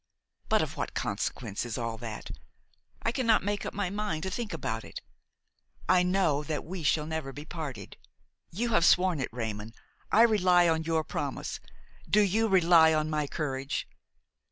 But of what consequence is all that? I cannot make up my mind to think about it. I know that we shall never be parted. You have sworn it, Raymon; I rely on your promise, do you rely on my courage.